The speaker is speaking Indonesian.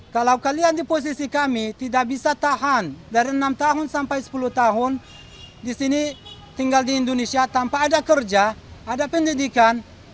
kalau kalian di posisi kami tidak bisa tahan dari enam tahun sampai sepuluh tahun di sini tinggal di indonesia tanpa ada kerja ada pendidikan